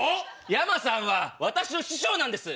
ヤマさんは私の師匠なんです。